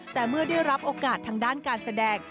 แต่เมื่อได้รับโอกาสทางด้านการแสดง